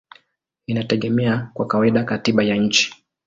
inategemea kwa kawaida katiba ya nchi.